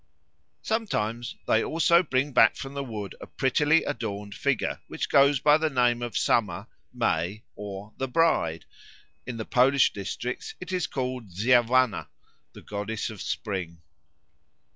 Sometimes they also bring back from the wood a prettily adorned figure, which goes by the name of Summer, May, or the Bride; in the Polish districts it is called Dziewanna, the goddess of spring.